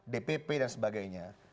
dpp dan sebagainya